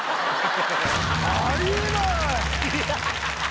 あり得ない！